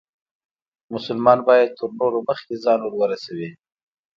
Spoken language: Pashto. مسلمان باید تر نورو مخکې ځان ورورسوي.